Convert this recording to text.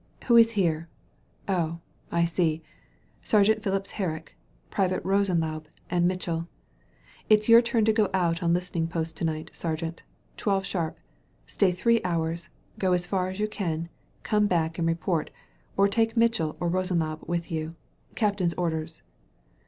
Who is here? Oh, I see, Sergeant Phipps Herrick, Privates Rosen laube and Mitchell. It's your turn to go out on listening post to night, sergeant. Twelve sharp, stay three hours, go as far as you can, come back and report, take Mitchell or Rosenlaube with you. Captain's orders.